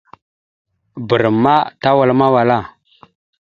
Bəram ma tawal mawala.